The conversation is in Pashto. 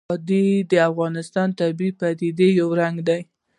وادي د افغانستان د طبیعي پدیدو یو رنګ دی.